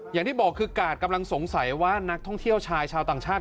อย่างที่บอกคือกาดกำลังสงสัยว่านักท่องเที่ยวชายชาวต่างชาติ